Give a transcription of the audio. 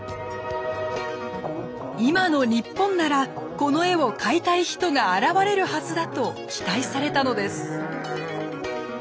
今の日本ならこの絵を買いたい人が現れるはずだと期待されたのです。